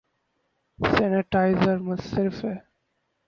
sanitizer صرف ہا